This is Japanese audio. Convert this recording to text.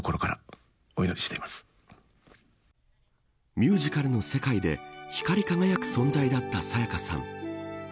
ミュージカルの世界で光り輝く存在だった沙也加さん。